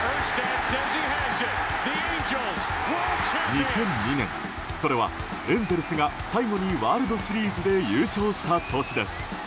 ２００２年それはエンゼルスが最後にワールドシリーズで優勝した年です。